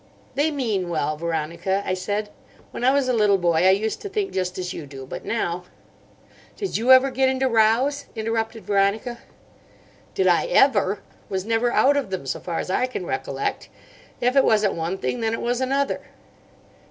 "They mean well, Veronica," I said. "When I was a little boy I used to think just as you do. But now—" "Did you ever get into rows?" interrupted Veronica. "Did I ever?—was never out of them, so far as I can recollect. If it wasn't one thing, then it was another."